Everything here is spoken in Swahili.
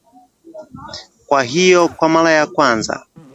Hivyo, kwa mara ya kwanza